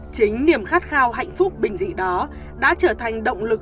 chính niềm khát khao hạnh phúc bình dị đó đã trở thành động lực